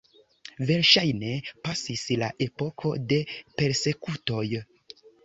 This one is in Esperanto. Verŝajne pasis la epoko de persekutoj.